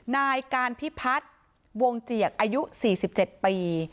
นายการพิพัฒน์วงเจียกอายุ๔๗ปี